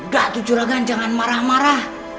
gak tuh juragan jangan marah marah